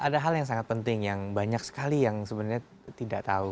ada hal yang sangat penting yang banyak sekali yang sebenarnya tidak tahu